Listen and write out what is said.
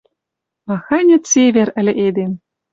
Маханьы цевер ыльы эдем!